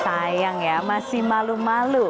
sayang ya masih malu malu